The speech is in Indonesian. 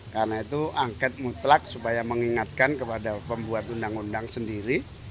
karena itu angket mutlak supaya mengingatkan kepada pembuat undang undang sendiri